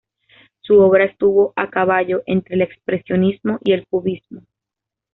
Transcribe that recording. Su obra estuvo a caballo entre el expresionismo y el cubismo.